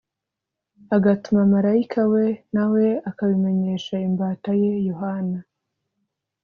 agatuma marayika we na we akabimenyesha imbata ye Yohana